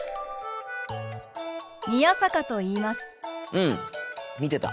うん見てた。